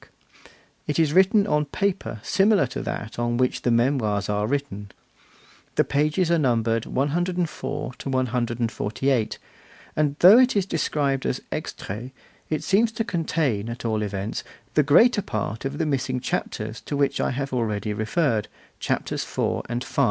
It is written on paper similar to that on which the Memoirs are written; the pages are numbered 104 148; and though it is described as Extrait, it seems to contain, at all events, the greater part of the missing chapters to which I have already referred, Chapters IV. and V.